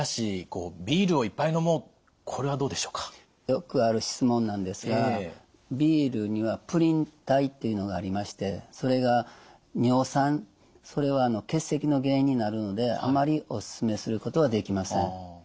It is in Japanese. よくある質問なんですがビールにはプリン体というのがありましてそれが尿酸それは結石の原因になるのであまりおすすめすることはできません。